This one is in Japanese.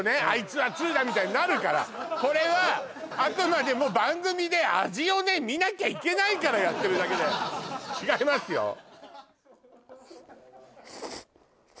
あいつは通だみたいになるからこれはあくまでも番組で味をみなきゃいけないからやってるだけで違いますよ